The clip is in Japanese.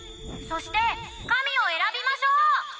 そして神を選びましょう！